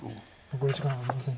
残り時間はありません。